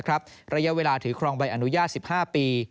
ระยะเวลาถือครองใบอนุญาต๑๕ปี